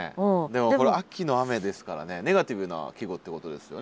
でもこれ「秋の雨」ですからねネガティブな季語ってことですよね